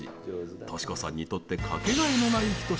トシ子さんにとってかけがえのない、ひと品。